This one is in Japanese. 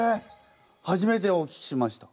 初めてお聞きしました。